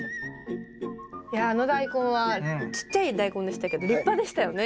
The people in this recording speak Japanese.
いやあのダイコンはちっちゃいダイコンでしたけど立派でしたよね。